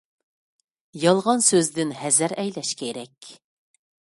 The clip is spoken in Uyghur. يالغان سۆزدىن ھەزەر ئەيلەش كېرەك.